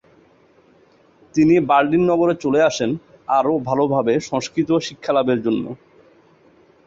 তিনি বার্লিন নগরে চলে আসেন আরো ভালোভাবে সংস্কৃত শিক্ষালাভের জন্য।